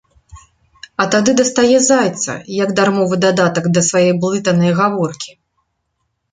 А тады дастае зайца, як дармовы дадатак да свае блытанае гаворкі.